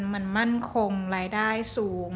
มันมั่นคงรายได้สูง